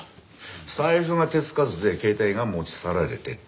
財布が手つかずで携帯が持ち去られてたと。